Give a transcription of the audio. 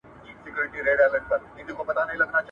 ایا د کتاب پوښ په ښه توګه ډیزاین شوی دی؟